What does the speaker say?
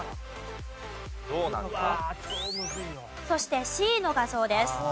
そしてＣの画像です。